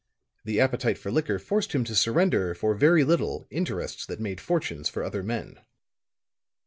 The appetite for liquor forced him to surrender, for very little, interests that made fortunes for other men.